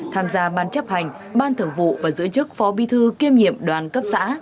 tham gia ban chấp hành ban thưởng vụ và giữ chức phó bi thư kiêm nhiệm đoàn cấp xã